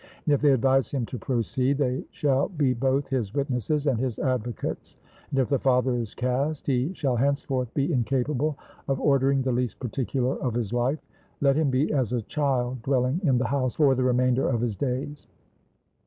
And if they advise him to proceed, they shall be both his witnesses and his advocates; and if the father is cast, he shall henceforth be incapable of ordering the least particular of his life; let him be as a child dwelling in the house for the remainder of his days.